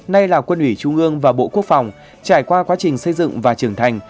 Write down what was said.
nay là quân ủy trung ương và bộ quốc phòng trải qua quá trình xây dựng và trưởng thành